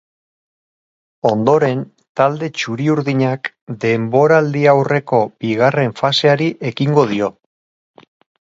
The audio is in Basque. Ondoren, talde txuri urdinak denboraldiaurreko bigarren faseari ekingo dio.